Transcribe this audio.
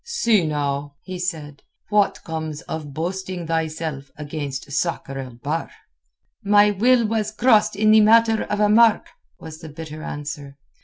"See now," he said, "what comes of boasting thyself against Sakr el Bahr." "My will was crossed in the matter of a mark," was the bitter answer.